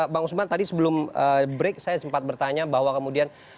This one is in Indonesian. bang usman tadi sebelum break saya sempat bertanya bahwa kemudian